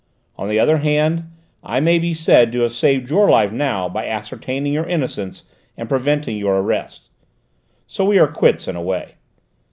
On the other hand I may be said to have saved your life now by ascertaining your innocence and preventing your arrest. So we are quits in a way.